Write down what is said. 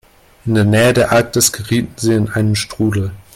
In der Nähe der Arktis gerieten sie in einen Strudel.